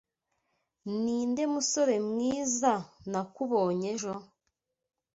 Ninde musore mwiza nakubonye ejo?